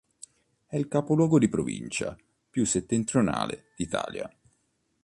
È il capoluogo di provincia più settentrionale d'Italia.